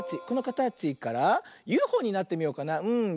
このかたちからＵＦＯになってみようかな。